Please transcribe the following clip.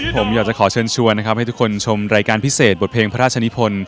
ผมอยากจะขอเชิญชวนนะครับให้ทุกคนชมรายการพิเศษบทเพลงพระราชนิพล